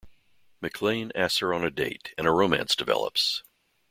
McLain asks her on a date and a romance develops.